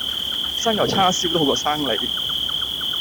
生舊叉燒都好過生你